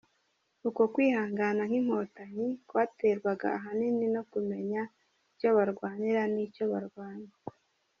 Uko kwihangana kw’Inkotanyi kwaterwaga ahanini no kumenya icyo barwanira n’icyo barwanya.